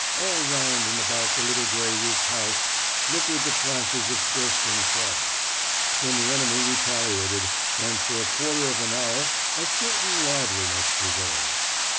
All round and about the little grey roofed house flickered the flashes of bursting shells. Then the enemy retaliated, and for a quarter of an hour "a certain liveliness prevailed."